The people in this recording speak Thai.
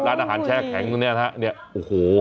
ร้านอาหารแช่แข็งตรงเนี้ยนะฮะเนี่ยโอ้โห